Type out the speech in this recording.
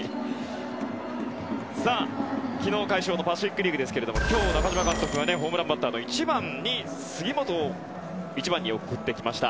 昨日、快勝のパシフィック・リーグですが今日、中嶋監督はホームランバッターの１番に杉本を送ってきました。